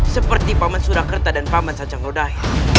seperti paman surakerta dan paman sancang lodai